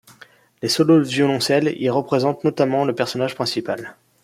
Les solos de violoncelle y représentent notamment le personnage principal.